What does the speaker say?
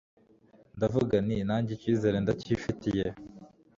ndavuga nti nanjye icyizere ndakifitiye